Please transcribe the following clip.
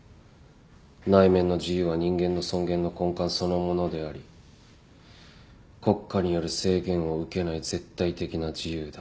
内面の自由は人間の尊厳の根幹そのものであり国家による制限を受けない絶対的な自由だ。